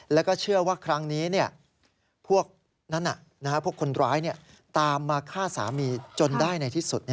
แล้วก็เชื่อว่าครั้งนี้พวกนั้นพวกคนร้ายตามมาฆ่าสามีจนได้ในที่สุด